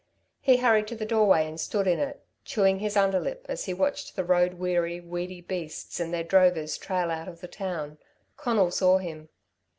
He hurried to the doorway and stood in it, chewing his underlip, as he watched the road weary, weedy beasts and their drovers trail out of the town. Conal saw him.